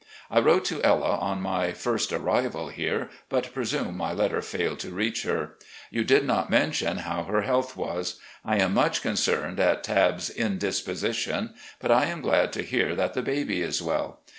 I wrote to Ella on my first arrival here, but presume my letter failed to reach her. You did not mention how her health was. I am much concerned at Tabb's indisposition, but am glad to hear that the baby is well.